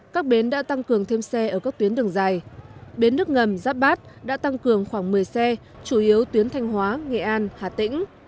các bến đã tăng cường thêm xe ở các tuyến đường dài